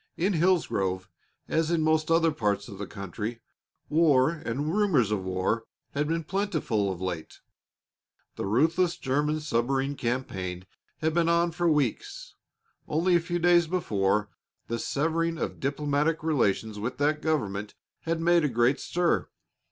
In Hillsgrove, as in most other parts of the country, war and rumors of war had been plentiful of late. The ruthless German submarine campaign had been on for weeks. Only a few days before, the severing of diplomatic relations with that government had made a great stir.